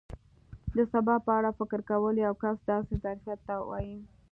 د سبا په اړه فکر کول یو کس داسې ظرفیت ته وایي.